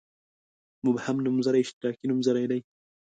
مبهم نومځري اشتراکي نومځري دي.